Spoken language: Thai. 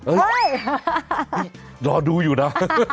เฮ่ยรอดูอยู่นะ